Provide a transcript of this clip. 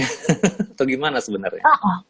atau gimana sebenarnya